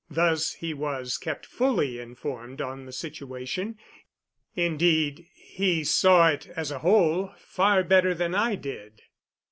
Thus he was kept fully informed on the situation indeed, he saw it as a whole far better than I did.